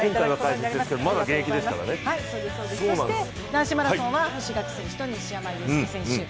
男子マラソンは星岳選手と西山選手